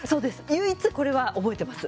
唯一これは覚えてます。